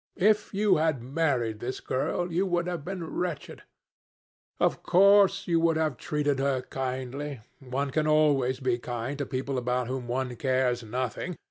If you had married this girl, you would have been wretched. Of course, you would have treated her kindly. One can always be kind to people about whom one cares nothing.